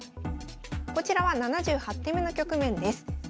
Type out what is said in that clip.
こちらは７８手目の局面です。